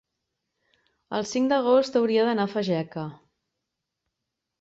El cinc d'agost hauria d'anar a Fageca.